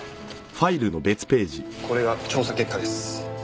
これが調査結果です。